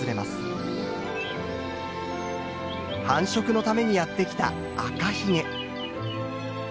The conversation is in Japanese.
繁殖のためにやって来たアカヒゲ。